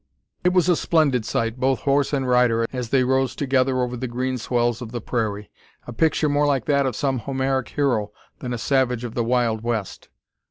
It was a splendid sight, both horse and rider, as they rose together over the green swells of the prairie; a picture more like that of some Homeric hero than a savage of the wild west.